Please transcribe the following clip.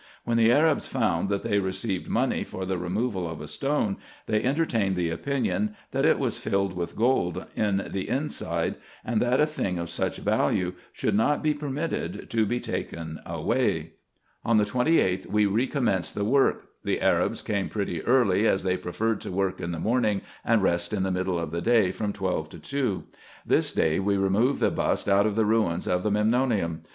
When the Arabs found that they received money for the removal of a stone, they entertained the opinion, that it was filled with gold in the inside, and that a thing of such value should not be permitted to be taken away. IN EGYPT, NUBIA, &c. 45 On the 28th we recommenced the work. The Arabs came pretty early, as they preferred to work in the morning, and rest in the middle of the day from twelve to two. This day we removed the bust out of the ruins of the Memnonium.